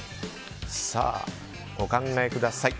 お考えください。